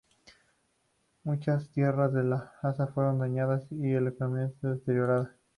Muchas tierras de labranza fueron dañadas y la economía deteriorada.